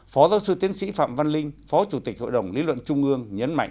phó giáo sư tiến sĩ phạm văn linh phó chủ tịch hội đồng lý luận trung ương